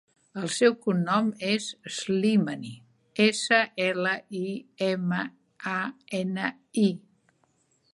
El seu cognom és Slimani: essa, ela, i, ema, a, ena, i.